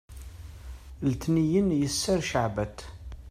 letniyen yesser ceɛbet